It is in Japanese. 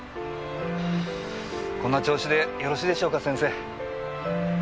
こんな調子でよろしいでしょうか先生？